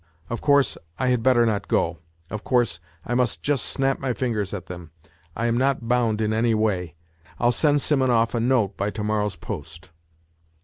Of course, I had better not go ; of course, I must just snap my fingers at them. I am not bound in any way. I'll send Simonov a note by to morrow's post.